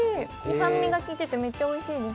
酸味がきいてて、めっちゃおいしいです。